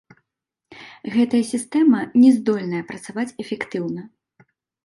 Гэтая сістэма не здольная працаваць эфектыўна.